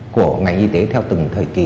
của ngành y tế theo từng thời kỳ